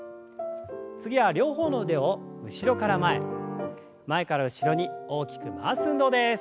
次は両方の腕を後ろから前前から後ろに大きく回す運動です。